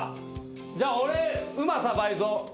じゃあ俺旨さ倍増！